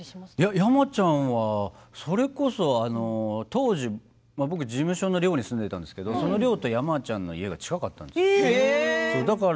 山ちゃんは当時事務所の寮に住んでいたんですけど山ちゃんの家が近かったんです。